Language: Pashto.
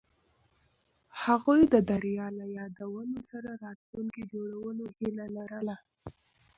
هغوی د دریا له یادونو سره راتلونکی جوړولو هیله لرله.